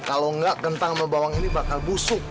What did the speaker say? kalau enggak kentang atau bawang ini bakal busuk